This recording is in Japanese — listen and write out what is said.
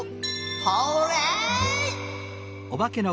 ホーレイ！